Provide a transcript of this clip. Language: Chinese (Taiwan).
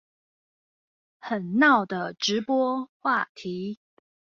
很鬧的直播話題